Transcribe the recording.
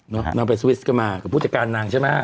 นางไปสวิสก็มากับผู้จัดการนางใช่ไหม